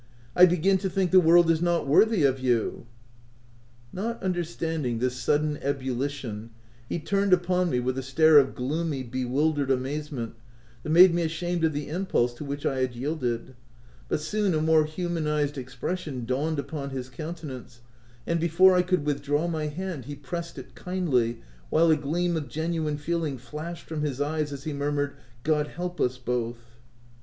" I begin to think the world is not worthy of you V y Not understanding this sudden ebullition, he turned upon me with a stare of gloomy, be wildered amazement that made me ashamed of the impulse to which I had yielded ; but soon a more humanized expression dawned upon his countenance, and, before I could withdraw my hand, he pressed it kindly, while a gleam of genuine feeling flashed from his eyes as he murmured, —" God help us both